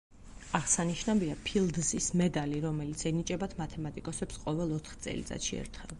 აღსანიშნავია ფილდზის მედალი, რომელიც ენიჭებათ მათემატიკოსებს ყოველ ოთხ წელიწადში ერთხელ.